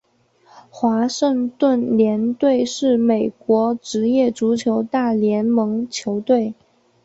华盛顿联队是美国职业足球大联盟球队。